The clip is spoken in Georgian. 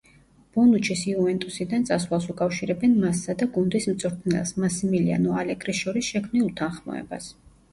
ბონუჩის „იუვენტუსიდან“ წასვლას უკავშირებენ მასსა და გუნდის მწვრთნელს, მასიმილიანო ალეგრის შორის შექმნილ უთანხმოებას.